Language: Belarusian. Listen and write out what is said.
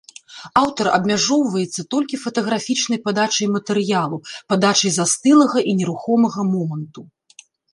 Аўтар абмяжоўваецца толькі фатаграфічнай падачай матэрыялу, падачай застылага і нерухомага моманту.